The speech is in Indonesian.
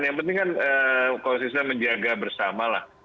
yang penting kan konsisten menjaga bersamalah